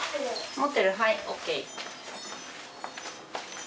持ってるはいＯＫ。